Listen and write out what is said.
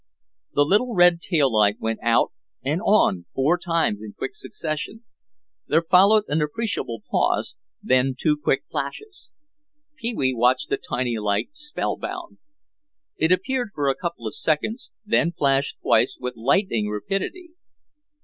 The little red tail light went out and on four times in quick succession. There followed an appreciable pause, then two quick flashes. Pee wee watched the tiny light, spellbound. It appeared for a couple of seconds, then flashed twice with lightning rapidity.